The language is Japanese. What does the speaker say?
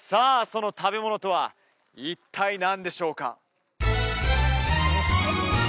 その食べ物とは一体何でしょうか？